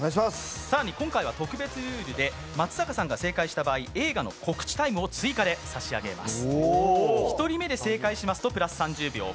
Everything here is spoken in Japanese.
更に今回は特別ルールで松坂さんが正解した場合映画の告知タイムを追加で差し上げます。